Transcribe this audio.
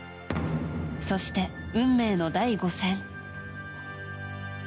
そして、運命の第５戦。